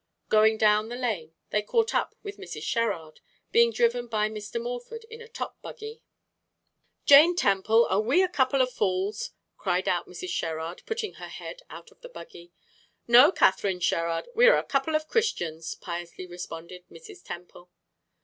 Going down the lane they caught up with Mrs. Sherrard, being driven by Mr. Morford in a top buggy. "Jane Temple, are we a couple of fools?" called out Mrs. Sherrard, putting her head out of the buggy. "No, Katharine Sherrard, we are a couple of Christians," piously responded Mrs. Temple.